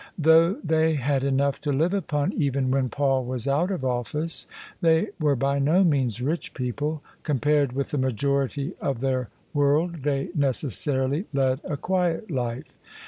Though they had enough to live upon even when Paul was out of oflSce, they were by no means rich people: compared with the majority of their world they OF ISABEL CARNABY necessarily led a quiet life.